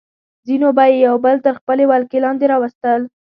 ځینو به یې یو بل تر خپلې ولکې لاندې راوستل.